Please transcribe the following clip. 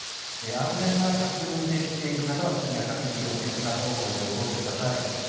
安全が確認できている方は速やかに火を消すなどの行動を取ってください。